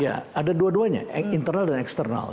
ya ada dua duanya internal dan eksternal